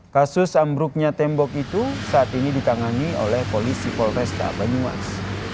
kasus ambruknya tembok itu saat ini ditangani oleh polisi polresta banyumas